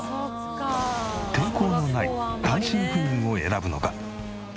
転校のない単身赴任を選ぶのか？